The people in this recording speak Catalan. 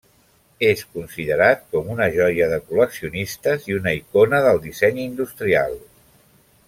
És considerat com una joia de col·leccionistes i una icona del disseny industrial.